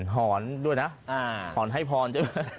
ขอนด้วยนะขอนให้พรจริงไหม